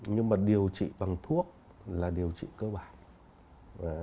nhưng mà điều trị bằng thuốc là điều trị cơ bản